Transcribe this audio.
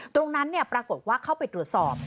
ตรงนั้นปรากฏว่าเขาไปตรวจสอบ